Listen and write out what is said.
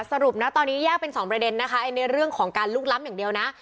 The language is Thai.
สรุปนะตอนนี้แยกเป็นสองประเด็นนะคะในเรื่องของการลุกล้ำอย่างเดียวนะ